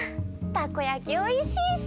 たこやきおいしいし！